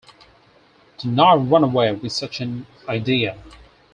Do not run away with such an idea.